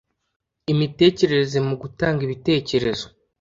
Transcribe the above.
imitekerereze, mu gutanga ibitekerezo